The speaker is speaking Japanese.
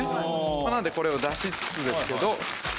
なのでこれを出しつつですけど。